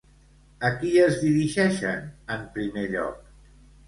A qui es dirigeixen en primer lloc?